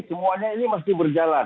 semuanya ini masih berjalan